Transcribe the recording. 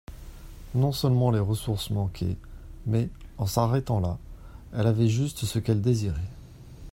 Non-seulement les ressources manquaient, mais, en s'arrêtant là, elle avait juste ce qu'elle désirait.